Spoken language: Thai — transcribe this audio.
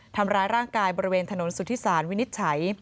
ทำร้ายร่างกายบริเวณถนนสุธิศาลวินิจฉัย